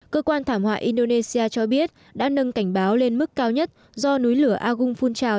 cơ quan thảm họa indonesia cho biết đã nâng cảnh báo lên mức cao nhất do núi lửa agung phun trào